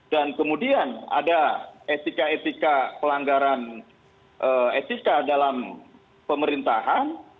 dan kemudian ada etika etika pelanggaran etika dalam pemerintahan